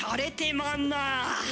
まんなあ。